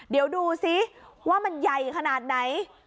เดี๋ยวดูซิว่ามันใหญ่ขนาดไหน